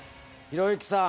ひろゆきさん。